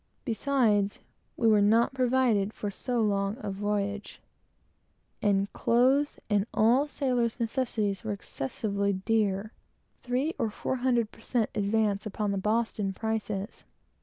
Besides, we were not provided for so long a voyage, and clothes, and all sailors' necessaries, were excessively dear three or four hundred per cent. advance upon the Boston prices.